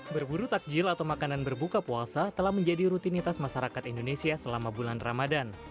berburu takjil atau makanan berbuka puasa telah menjadi rutinitas masyarakat indonesia selama bulan ramadan